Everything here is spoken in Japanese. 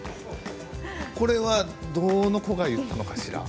これはどの子が言ったのかしら。